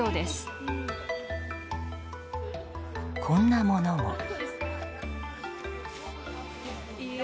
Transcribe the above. こんなものも。